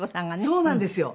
そうなんですよ。